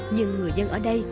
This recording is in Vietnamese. nhưng người dân ở đây